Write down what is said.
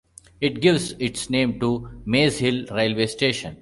It gives its name to Maze Hill railway station.